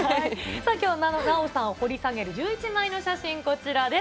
きょうは奈緒さんを掘り下げる１１枚の写真、こちらです。